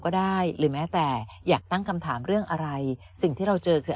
หรือแม้แต่อยากตั้งคำถามเรื่องอะไรสิ่งที่เราเจอคือ